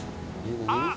あっ！